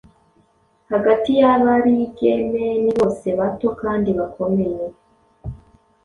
Hagati yabaligemeni bose bato kandi bakomeye